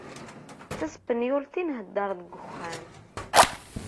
D taspenyult i nhedder deg uxxam.